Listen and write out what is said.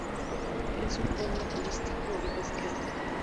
Es un pueblo turístico y pesquero.